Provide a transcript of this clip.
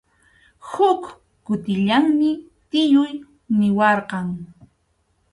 Huk kutillanmi tiyuy niwarqan.